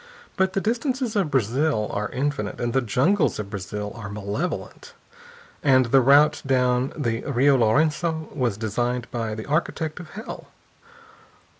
But the distances of Brazil are infinite, and the jungles of Brazil are malevolent, and the route down the Rio Laurenço was designed by the architect of hell.